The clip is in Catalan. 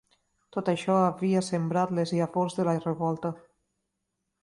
Tot això havia sembrat les llavors de la revolta.